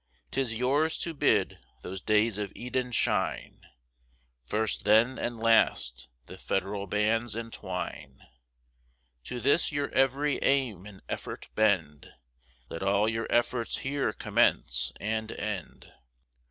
'Tis yours to bid those days of Eden shine: First, then, and last, the federal bands entwine: To this your every aim and effort bend: Let all your efforts here commence and end.